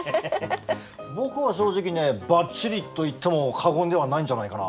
僕は正直ねばっちりと言っても過言ではないんじゃないかな。